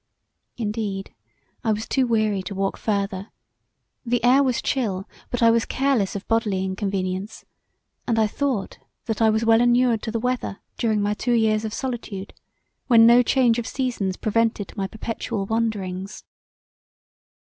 Indeed I was too weary to walk further: the air was chill but I was careless of bodily inconvenience, and I thought that I was well inured to the weather during my two years of solitude, when no change of seasons prevented my perpetual wanderings.